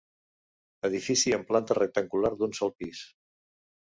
Edifici de planta rectangular d'un sol pis.